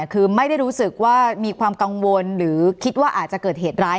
คือไม่ได้รู้สึกว่ามีความกังวลหรือคิดว่าอาจจะเกิดเหตุร้าย